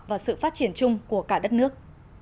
và sự phát triển chung của cả đất nước